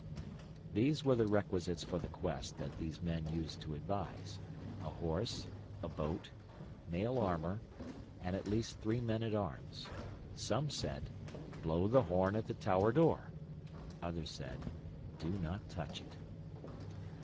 These were the requisites for the quest that these men used to advise: a horse, a boat, mail armour, and at least three men at arms. Some said, "Blow the horn at the tower door"; others said, "Do not touch it."